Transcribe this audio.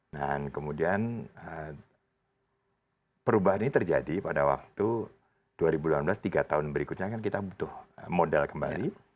dan kemudian perubahan ini terjadi pada waktu dua ribu sembilan belas tiga tahun berikutnya kan kita butuh modal kembali